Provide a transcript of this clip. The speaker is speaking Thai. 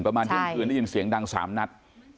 ประมาณเที่ยงคืนได้ยินเสียงดัง๓นัด